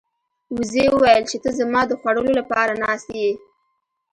وزې وویل چې ته زما د خوړلو لپاره ناست یې.